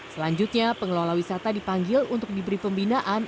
selanjutnya pengelola wisata dipanggil untuk diberi pembinaan